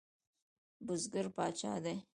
بزګر پاچا دی؟